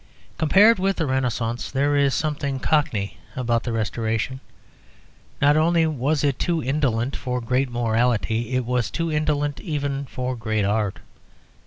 Compared with the Renaissance, there is something Cockney about the Restoration. Not only was it too indolent for great morality, it was too indolent even for great art.